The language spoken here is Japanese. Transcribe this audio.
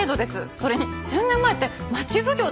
それに１０００年前って町奉行とかですよ。